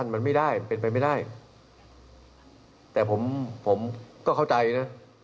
อันสั้นมันเป็นไปไม่ได้แต่ผมก็เข้าใจนะ